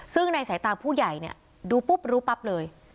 ซึ่งในสายตาผู้ใหญ่เนี่ยดูปุ๊บรู้ปั๊บเลย